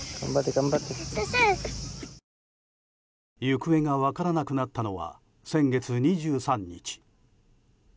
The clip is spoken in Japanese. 行方が分からなくなったのは先月２３日。